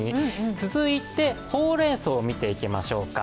続いてほうれんそうを見ていきましょうか。